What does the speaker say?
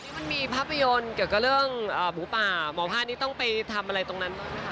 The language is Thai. มันมีภาพยนตร์เกี่ยวกับเรื่องหมูป่าหมอพากษ์นี่ต้องไปทำอะไรตรงนั้น